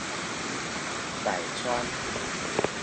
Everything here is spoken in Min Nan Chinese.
大村